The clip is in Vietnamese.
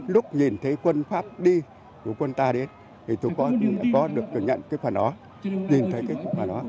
lúc nhìn thấy quân pháp đi của quân ta đi thì tôi có được nhận cái phần đó nhìn thấy cái phần đó